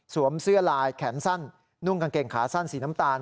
เสื้อลายแขนสั้นนุ่งกางเกงขาสั้นสีน้ำตาล